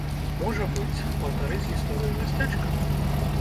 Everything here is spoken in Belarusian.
Можа быць, паўтарыць гісторыю мястэчка.